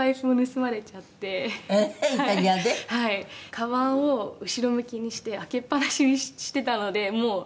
「カバンを後ろ向きにして開けっ放しにしていたのでもう」